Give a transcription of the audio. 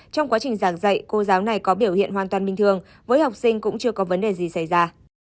trong quá trình giảng dạy cô giáo này có biểu hiện hoàn toàn bình thường với học sinh cũng chưa có vấn đề gì xảy ra